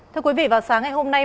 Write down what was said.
thưa quý vị vào sáng ngày hôm nay